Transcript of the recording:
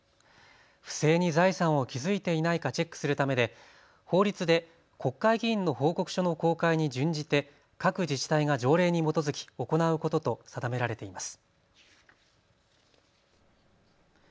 不正に財産を築いていないかチェックするためで法律で国会議員の報告書の公開に準じて各自治体が条例に基づき行うことと定められています。